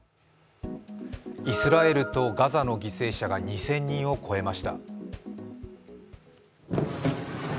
イスラエルとガザの犠牲者が２０００人を超えました。